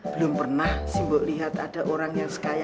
belum pernah si mbok lihat ada orang yang baik baik hatinya